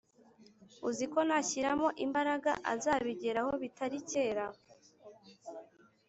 uziko nashiramo imbaraga azabigeraho bitari kera